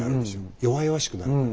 弱々しくなるから。